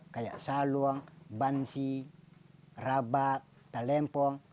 seperti saluang bansi rabat talempong